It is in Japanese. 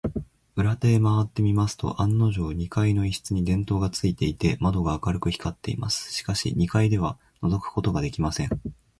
裏手へまわってみますと、案のじょう、二階の一室に電燈がついていて、窓が明るく光っています。しかし、二階ではのぞくことができません。